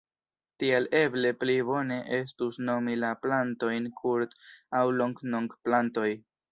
Tial eble pli bone estus nomi la plantojn kurt- aŭ long-noktplantoj.